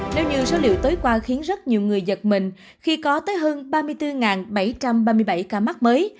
nếu như số liệu tối qua khiến rất nhiều người giật mình khi có tới hơn ba mươi bốn bảy trăm ba mươi bảy ca mắc mới